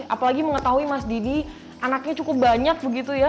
apalagi mengetahui mas didi anaknya cukup banyak begitu ya